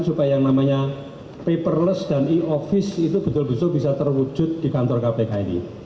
supaya yang namanya paperless dan e office itu betul betul bisa terwujud di kantor kpk ini